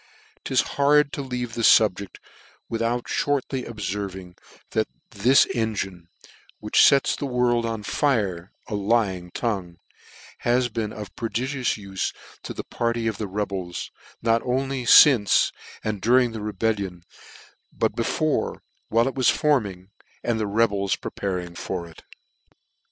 " 'Tishard to leave, this fubject without (hortly obfervins, that this engine, which fets the world f* on fire, a lying tongue, has been of prodigious ule to the party of the rebels, not only iince, and dur ing the rebellion, but before, while it was forming, and the rebels preparing for it.